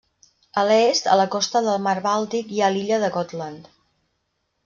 A l'est, a la costa del Mar Bàltic hi ha l'illa de Gotland.